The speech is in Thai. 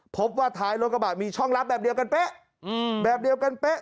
พบว่าท้ายรถกระบะมีช่องลับแบบเดียวกันเป๊ะแบบเดียวกันเป๊ะ